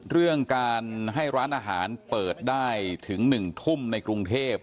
เรื่องการให้ร้านอาหารเปิดได้ถึง๑ทุ่มในกรุงเทพ